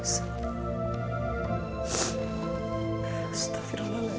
tidak ada yang tidak mungkin